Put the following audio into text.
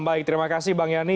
baik terima kasih bang yani